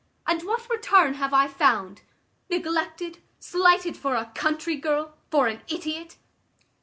And what return have I found? Neglected, slighted for a country girl, for an idiot."